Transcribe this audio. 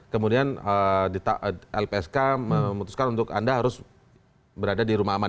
kemudian lpsk memutuskan untuk anda harus berada di rumah aman